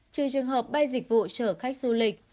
trừ trường hợp bay dịch vụ chở khách du lịch